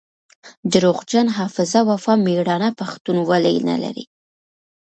دروغجن حافظه وفا ميړانه پښتونولي نلري